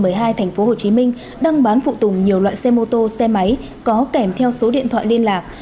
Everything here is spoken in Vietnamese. trường thạnh xuân quận một mươi hai tp hcm đang bán phụ tùng nhiều loại xe mô tô xe máy có kèm theo số điện thoại liên lạc